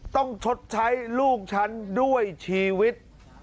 ชดใช้ลูกฉันด้วยชีวิต